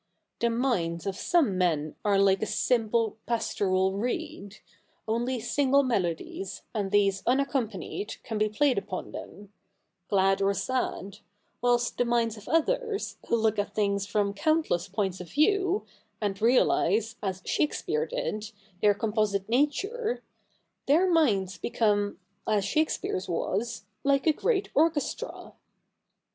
The minds of some men are like a simple pastoral reed. Only single melodies, and these unaccompanied, can be played upon them — glad or sad ; whilst the minds of others, who look at things from countless points of view, and realise, as Shakespeare did, their composite nature — their minds become, as Shakespeare's was, like a great orchestra.